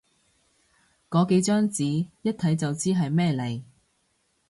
個幾張紙，一睇就知係咩嚟